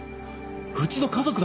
うちの家族だ！